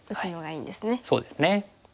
そうですね。